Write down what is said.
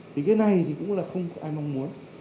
thì cái này thì cũng là không có ai mong muốn